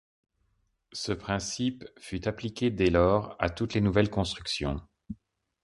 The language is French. Ce principe fut appliqué dès lors à toutes les nouvelles constructions.